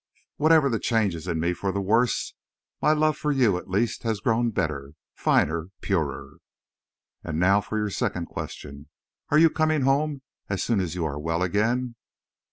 Whatever the changes in me for the worse, my love for you, at least, has grown better, finer, purer. And now for your second question, "Are you coming home as soon as you are well again?"...